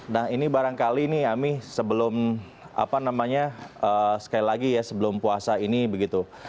nah ini barangkali nih ami sebelum apa namanya sekali lagi ya sebelum puasa ini begitu